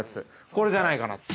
これじゃないかなと。